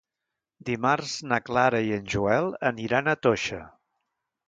Dimarts na Clara i en Joel aniran a Toixa.